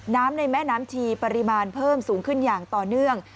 ในแม่น้ำชีปริมาณเพิ่มสูงขึ้นอย่างต่อเนื่อง